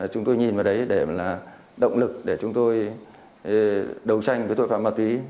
chúng tôi nhìn vào đấy để là động lực để chúng tôi đấu tranh với tội phạm ma túy